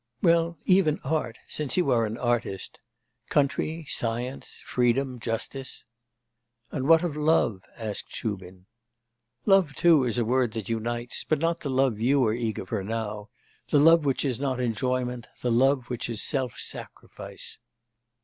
'Well, even Art since you are an artist Country, Science, Freedom, Justice.' 'And what of love?' asked Shubin. 'Love, too, is a word that unites; but not the love you are eager for now; the love which is not enjoyment, the love which is self sacrifice.